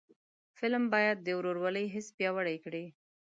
فلم باید د ورورولۍ حس پیاوړی کړي